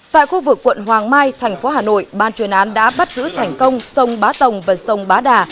tại khu vực quận hoàng mai thành phố hà nội ban truyền án đã bắt giữ thành công sông bá tồng và sông bá đà